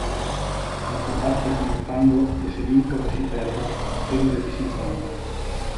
A combatter con il fango, che si vinca o che si perda, sempre ci si infanga.